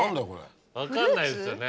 分かんないですよね。